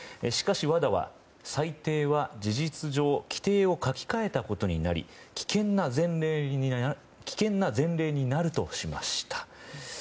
しかし、ＷＡＤＡは裁定は事実上規定を書き換えたことになり危険な前例になるとしました。